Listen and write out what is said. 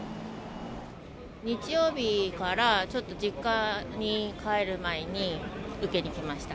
日曜日からちょっと実家に帰る前に受けに来ました。